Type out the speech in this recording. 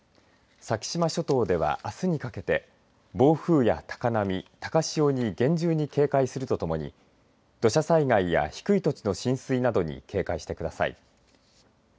先島諸島ではあすにかけて暴風や高波高潮に厳重に警戒するとともに土砂災害や低い土地の浸水などに警戒してください。